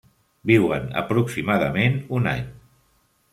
Viuen aproximadament un any.